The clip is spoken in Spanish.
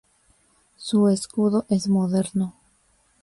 Su escudo es moderno.